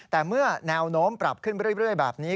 แต่เมื่อแนวโน้มปรับขึ้นไปเรื่อยแบบนี้